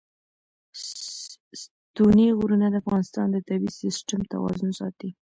ستوني غرونه د افغانستان د طبعي سیسټم توازن ساتي.